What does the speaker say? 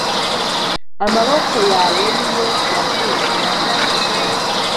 “amaboko yawe ni yo yambumbye,